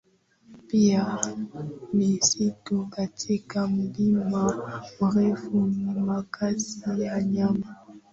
pia misitu katika mlima Meru ni makazi ya nyani